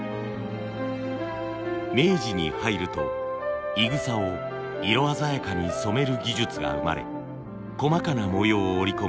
明治に入るといぐさを色鮮やかに染める技術が生まれ細かな模様を織り込む花莚が発明されました。